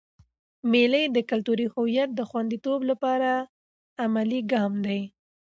مېلې د کلتوري هویت د خونديتوب له پاره عملي ګام دئ.